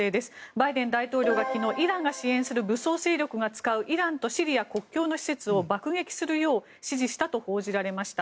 バイデン大統領が昨日イランが支援する武装勢力が使うイランとシリア国境の施設を爆撃するよう指示したと報じられました。